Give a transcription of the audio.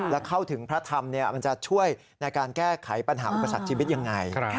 แล้วเข้าถึงพระธรรมมันจะช่วยในการแก้ไขปัญหาอุปสรรคชีวิตยังไง